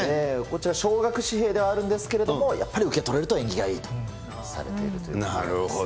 こちら、小額紙幣ではあるんですけれども、やっぱり受け取れると縁起がいいとされているということです。